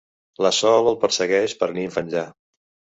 La Sol el persegueix paranimf enllà.